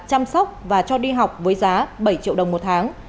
chăm sóc và cho đi học với giá bảy triệu đồng một tháng